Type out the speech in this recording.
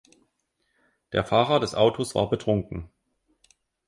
Der Fahrer des Autos war betrunken.